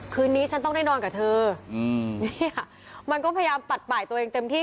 คืนนี้ฉันต้องได้นอนกับเธออืมนี่ค่ะมันก็พยายามปัดป่ายตัวเองเต็มที่